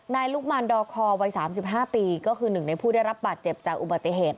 ลุกมันดอคอวัย๓๕ปีก็คือหนึ่งในผู้ได้รับบาดเจ็บจากอุบัติเหตุ